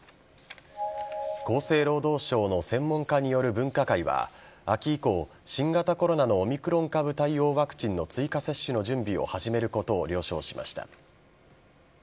厚生労働省の専門家による分科会は秋以降新型コロナのオミクロン株対応ワクチンの追加接種の準備を始めることを了承しました。